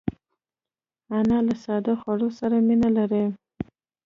انا له ساده خوړو سره مینه لري